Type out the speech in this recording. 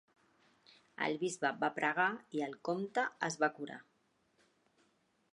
El bisbe va pregar i el comte es va curar.